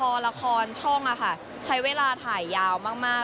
พอละครช่องใช้เวลาถ่ายยาวมาก